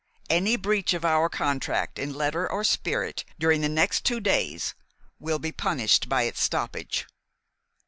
Any breach of our contract in letter or spirit during the next two days will be punished by its stoppage.